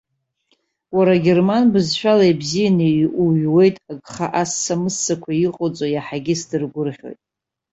Уара герман бызшәала ибзианы уҩуеит, агха сса-мыссақәа иҟоуҵо иаҳагьы сдыргәырӷьоит.